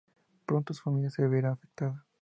Pronto su familia se verá afectada.